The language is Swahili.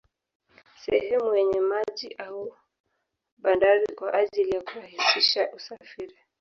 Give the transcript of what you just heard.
Sehemu yenye maji au bandari kwa ajili ya kurahisisha usafiri